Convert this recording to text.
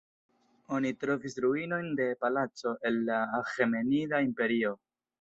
Oni trovis ruinojn de palaco el la Aĥemenida Imperio.